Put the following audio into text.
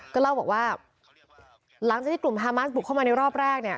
ก็เล่าบอกว่าหลังจากที่กลุ่มฮามาสบุกเข้ามาในรอบแรกเนี่ย